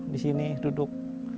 di sini duduk